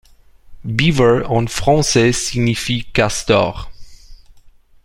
Beaver, en français, signifie castor.